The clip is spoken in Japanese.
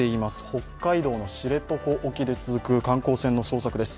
北海道の知床沖で続く観光船の捜索です。